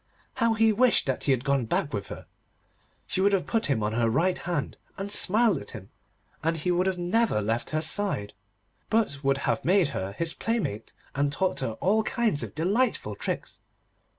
How he wished that he had gone back with her! She would have put him on her right hand, and smiled at him, and he would have never left her side, but would have made her his playmate, and taught her all kinds of delightful tricks.